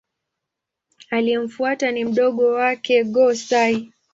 Aliyemfuata ni mdogo wake Go-Sai.